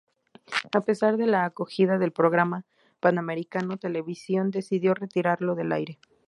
A pesar de la acogida del programa, Panamericana Televisión decidió retirarlo del aire.